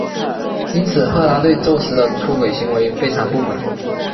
因此赫拉对宙斯的出轨行为非常不满。